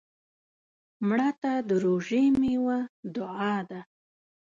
مړه ته د روژې میوه دعا ده